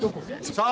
さあ？